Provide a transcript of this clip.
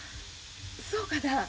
そうかな？